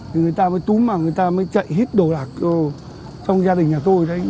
thì người ta mới túm mà người ta mới chạy hết đồ lạc trong gia đình nhà tôi